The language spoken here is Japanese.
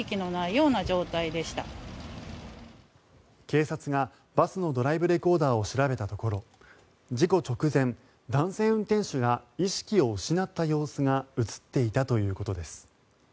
警察がバスのドライブレコーダーを調べたところ事故直前、男性運転手が意識を失った様子が映っていたということです。